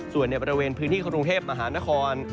ส่วนในบริเวณพื้นที่กรุงเทพมหานคร